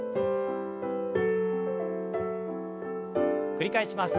繰り返します。